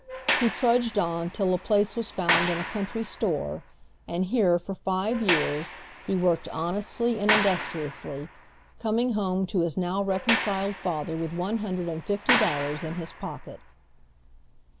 He trudged on till a place was found in a country store, and here, for five years, he worked honestly and industriously, coming home to his now reconciled father with one hundred and fifty dollars in his pocket.